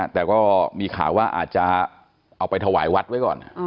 แต่ก็มีข่าวว่าอาจจะเอาไปถวายวัดไว้ก่อน